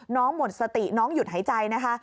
หมดสติน้องหยุดหายใจนะคะ